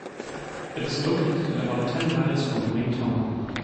It is located at about ten miles from the main town.